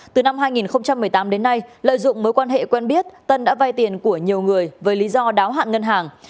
từ năm hai nghìn một mươi tám đến nay lợi dụng mối quan hệ quen biết tân đã vay tiền của nhiều người với lý do đáo hạn ngân hàng